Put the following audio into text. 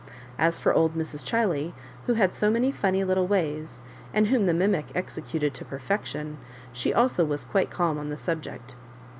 As for old Mrs. Chiley, who had so many funny little ways, and whom the mimic executed to perfection, she also was quite calm on the sub ject.